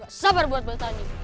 gak sabar buat bertanding